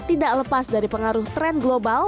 tidak lepas dari pengaruh tren global